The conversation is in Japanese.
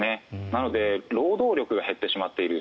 なので労働力が減ってしまっている。